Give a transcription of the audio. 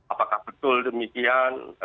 apakah betul demikian